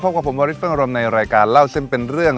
กับผมวาริสเฟิงอารมณ์ในรายการเล่าเส้นเป็นเรื่อง